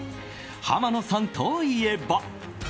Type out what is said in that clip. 浜野さんといえば。